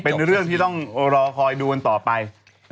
เป็นเรื่องที่ต้องรอคอยดูกันต่อไป